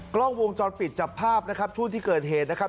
กล้องวงจรปิดจับภาพนะครับช่วงที่เกิดเหตุนะครับ